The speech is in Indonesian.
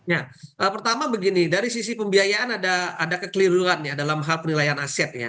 ya pertama begini dari sisi pembiayaan ada kekeliruan ya dalam hal penilaian aset ya